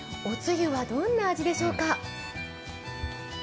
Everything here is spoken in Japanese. おつゆはどんな味でしょうか。